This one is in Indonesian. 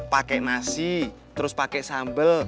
pakai nasi terus pakai sambal